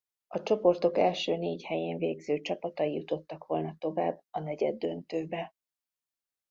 A csoportok első négy helyén végző csapatai jutottak volna tovább a negyeddöntőbe.